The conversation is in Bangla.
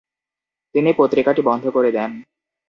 তিনি পত্রিকাটি বন্ধ করে দেন।